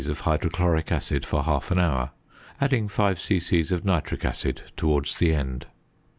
of hydrochloric acid for half an hour, adding 5 c.c. of nitric acid towards the end.